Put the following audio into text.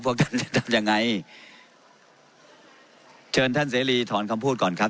พวกท่านจะทำยังไงเชิญท่านเสรีถอนคำพูดก่อนครับ